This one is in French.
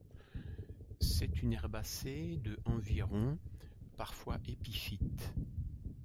C'est une herbacée de environ, parfois épiphyte.